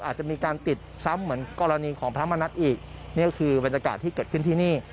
อาจจะมีการติดซ้ำเหมือนกรณีของพระมณัฐอีกนี่ก็คือบรรยากาศที่เกิดขึ้นที่นี่